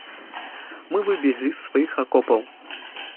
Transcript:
Мы выбеглі з сваіх акопаў.